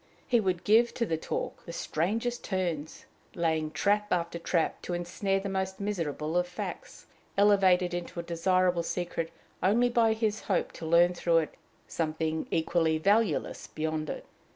He would give to the talk the strangest turns, laying trap after trap to ensnare the most miserable of facts, elevated into a desirable secret only by his hope to learn through it something equally valueless beyond it.